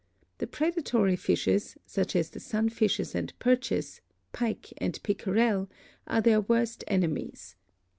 The predatory fishes, such as the Sunfishes and Perches, Pike and Pickerel, are their worst enemies.